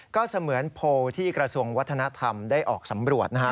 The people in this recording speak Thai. ก็เสมือนโพลที่กระทรวงวัฒนธรรมได้ออกสำรวจนะฮะ